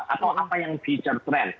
atau apa yang feature trend